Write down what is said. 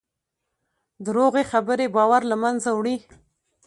دروغې خبرې باور له منځه وړي.